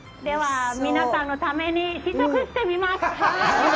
では、皆さんのために試食してみます。